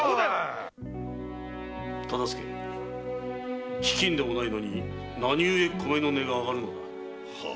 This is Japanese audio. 大岡飢饉でもないのに何ゆえ米の値が上がるのだ？